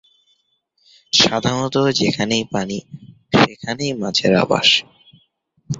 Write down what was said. সাধারণত যেখানেই পানি, সেখানেই মাছের আবাস।